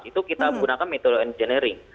itu kita gunakan metode engineering